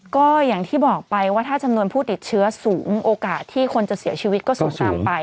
ก็อย่างที่บอกไปว่าถ้าจำนวนผู้ติดเชื้อสูงโอกาสที่คนจะเสียชีวิตก็สูงตามไป